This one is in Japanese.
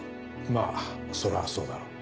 まぁそらそうだろう。